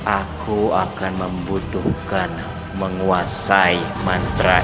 aku akan membutuhkan menguasai mantra